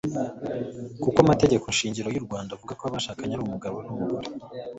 kuko amategeko shingiro y'urwanda avuga ko abashakanye ari umugore n'umugabo